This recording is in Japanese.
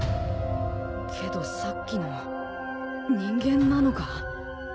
けどさっきの人間なのか？